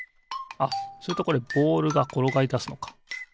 あっするとこれボールがころがりだすのか。